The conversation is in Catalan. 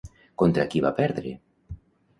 Contra qui va perdre?